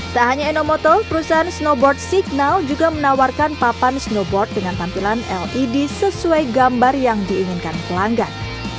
tak hanya enomoto perusahaan snowboard signal juga menawarkan papan snowboard dengan tampilan led sesuai gambar yang diinginkan pelanggan